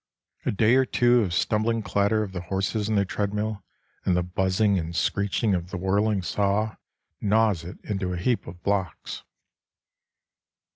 A day or two of stumbling clatter of the horses in their treadmill, and the buzzing and screeching of the whirling saw, gnaws it into a heap of blocks.